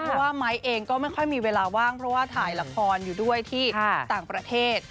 เพราะว่าไม้เองก็ไม่ค่อยมีเวลาว่างเพราะว่าถ่ายละครอยู่ด้วยที่ต่างประเทศ